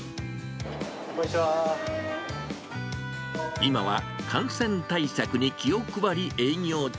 今は感染対策に気を配り、営業中。